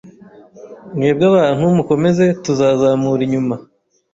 Mwebwe abantu mukomeze. Tuzazamura inyuma.